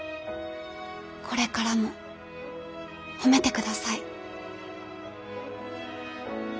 これからも褒めて下さい。